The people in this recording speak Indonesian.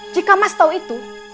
jika mas tahu itu